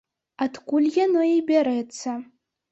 Адкуль яно і бярэцца.